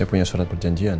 saya punya surat perjanjian